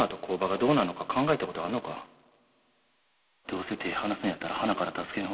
どうせ手ぇ離すんやったらはなから助けん方がええ。